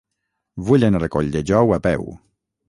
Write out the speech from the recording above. Vull anar a Colldejou a peu.